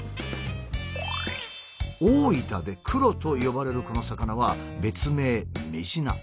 大分で「クロ」と呼ばれるこの魚は別名「メジナ」。